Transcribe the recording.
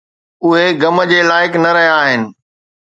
اهي غم جي لائق نه رهيا آهن